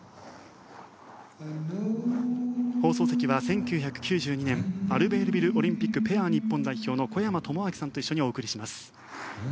放送席は１９９２年アルベールビルオリンピックペア日本代表の小山朋昭さんと一緒にお送りします。